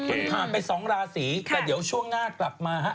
เอาล่ะมันผ่านไปสองราศรีแต่เดี๋ยวช่วงหน้ากลับมาฮะ